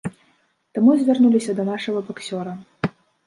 Таму і звярнуліся да нашага баксёра.